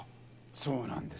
そうなんです。